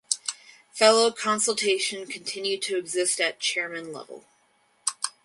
Fellow consultation continued to exist at chairman level.